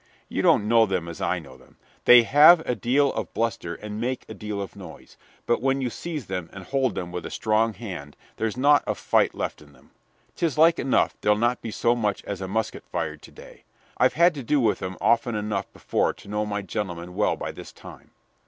You don't know them as I know them. They have a deal of bluster and make a deal of noise, but when you seize them and hold them with a strong hand, there's naught of fight left in them. 'Tis like enough there 'll not be so much as a musket fired to day. I've had to do with 'em often enough before to know my gentlemen well by this time."